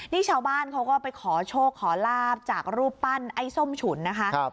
นี่ชาวบ้านเขาก็ไปขอโชคขอลาบจากรูปปั้นไอ้ส้มฉุนนะคะ